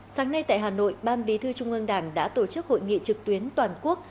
sáng nay tại hà nội ban bí thư trung ương đảng đã tổ chức hội nghị trực tuyến toàn quốc